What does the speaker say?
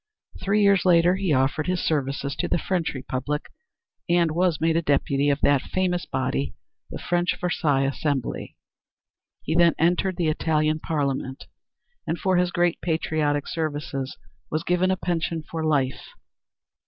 Three years later he offered his services to the French Republic and was made a deputy of that famous body, the French Versailles Assembly. He then entered the Italian Parliament, and for his great patriotic services was given a pension for life.